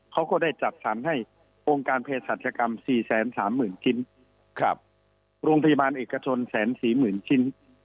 เขาก็ได้จัดสรรให้องค์การเพศรัชกรรม๔๓๐๐๐ชิ้นโรงพยาบาลเอกชน๑๔๐๐๐ชิ้น